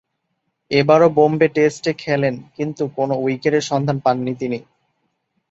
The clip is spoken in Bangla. এবারও বোম্বে টেস্টে খেলেন; কিন্তু, কোন উইকেটের সন্ধান পাননি তিনি।